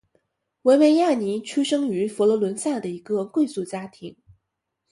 维维亚尼出生于佛罗伦萨的一个贵族家庭。